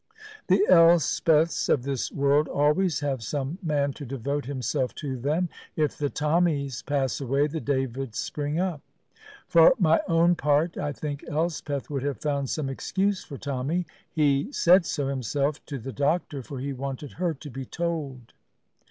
The Elspeths of this world always have some man to devote himself to them. If the Tommies pass away, the Davids spring up. For my own part, I think Elspeth would have found some excuse for Tommy. He said so himself to the doctor, for he wanted her to be told.